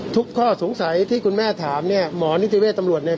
ข้อสงสัยที่คุณแม่ถามเนี่ยหมอนิติเวศตำรวจเนี่ย